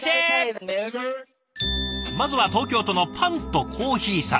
まずは東京都のパンとコーヒーさん。